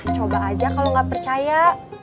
coba aja kalau nggak percaya